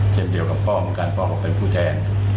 เช่นเดียวกับพ่อเหมือนกันพ่อก็เป็นผู้แทน